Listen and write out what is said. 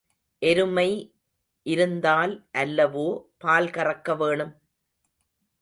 எருமை இருந்தால் அல்லவோ பால் கறக்க வேணும்?